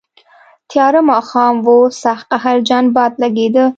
تیاره ماښام و، سخت قهرجن باد لګېده.